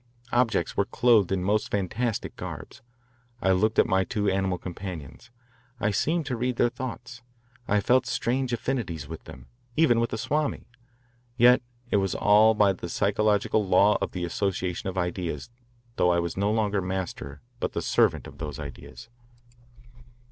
Objects were clothed in most fantastic garbs. I looked at my two animal companions. I seemed to read their thoughts. I felt strange affinities with them, even with the Swami. Yet it was all by the psychological law of the association of ideas, though I was no longer master but the servant of those ideas.